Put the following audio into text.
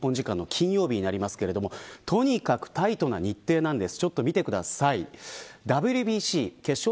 金曜日になりますがとにかくタイトな日程なんです。